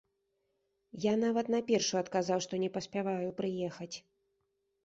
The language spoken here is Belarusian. Я нават на першую адказаў, што не паспяваю прыехаць.